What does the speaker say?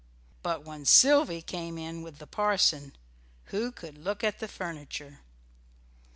But when Sylvy came in with the parson, who could look at furniture?